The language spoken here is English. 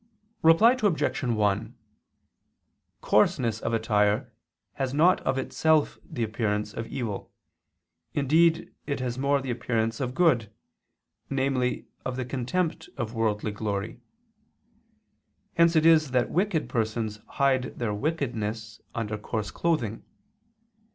Reply Obj. 1: Coarseness of attire has not of itself the appearance of evil, indeed it has more the appearance of good, namely of the contempt of worldly glory. Hence it is that wicked persons hide their wickedness under coarse clothing.